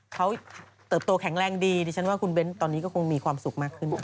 เขาเติบโตแข็งแรงดีดิฉันว่าคุณเบ้นตอนนี้ก็คงมีความสุขมากขึ้น